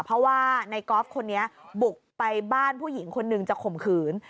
เพราะว่าในกอล์ฟคนนี้บุกไปบ้านผู้หญิงคนนึงจะข่มขืน